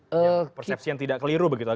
persepsi yang tidak keliru begitu